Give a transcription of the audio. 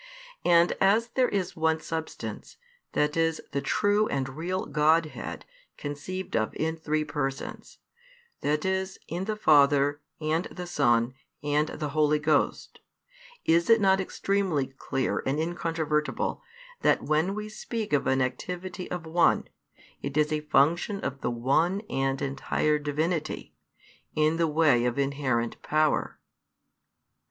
And, as there is one Substance, that is the true and real Godhead conceived of in three Persons, that is in the Father, and the Son, and the Holy Ghost, is it not extremly clear and incontrovertible that when we speak of an activity of one, it is a function of the One and entire Divinity, in the way of inherent power?